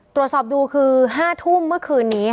ตรวจสอบดูคือ๕ทุ่มเมื่อคืนนี้